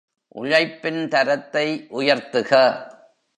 உழைப்பின் தரத்தை உயர்த்துக.